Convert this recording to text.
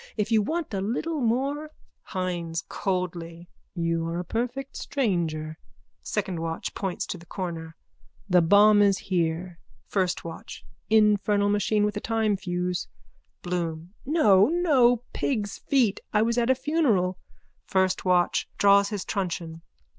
If you want a little more... HYNES: (Coldly.) You are a perfect stranger. SECOND WATCH: (Points to the corner.) The bomb is here. FIRST WATCH: Infernal machine with a time fuse. BLOOM: No, no. Pig's feet. I was at a funeral. FIRST WATCH: _(Draws his truncheon.)